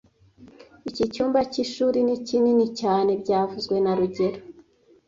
Iki cyumba cy'ishuri ni kinini cyane byavuzwe na rugero